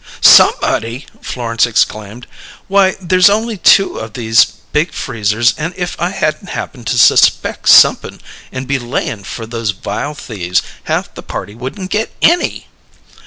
"'Somebody'!" Florence exclaimed. "Why, there's only two of these big freezers, and if I hadn't happened to suspeck somep'n and be layin' for those vile thieves, half the party wouldn't get any!"